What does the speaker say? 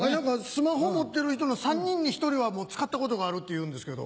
スマホ持ってる人の３人に１人は使ったことがあるっていうんですけど。